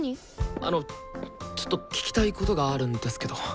あのちょっと聞きたいことがあるんですけど。